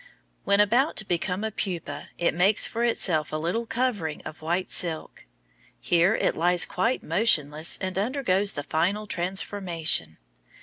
When about to become a pupa, it makes for itself a little covering of white silk. Here it lies quite motionless and undergoes the final transformation.